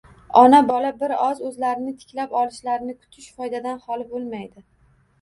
Ona-bola bir oz o‘zlarini tiklab olishlarini kutish foydadan xoli bo‘lmaydi.